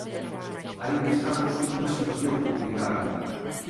Aínda estamos nunha situación complicada.